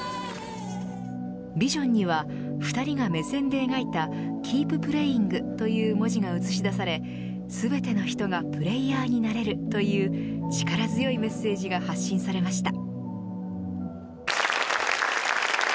ビジョンには２人が目線で描いたＫＥＥＰＰＬＡＹＩＮＧという文字が映し出されすべての人がプレーヤーになれる、という力強いメッセージが発信されました。